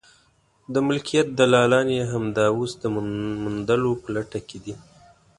د ملکیت دلالان یې همدا اوس د موندلو په لټه کې دي.